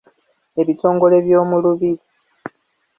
Ebitongole by’omu lubiri.